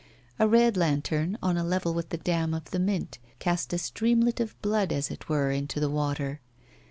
A red lantern, on a level with the dam of the Mint, cast a streamlet of blood, as it were, into the water.